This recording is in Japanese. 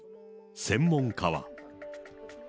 専門家は。